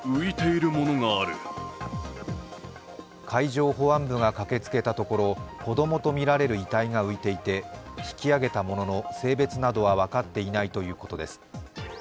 海上保安部が駆けつけたところ、子供とみられる遺体が浮いていて引き上げたものの性別などは分かっていないということです。